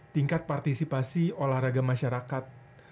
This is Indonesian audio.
tingkat partisipasi olahraga masyarakat